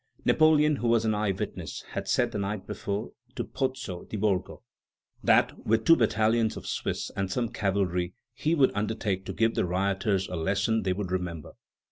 Napoleon, who was an eye witness, had said the night before to Pozzo di Borgo, that with two battalions of Swiss and some cavalry he would undertake to give the rioters a lesson they would remember.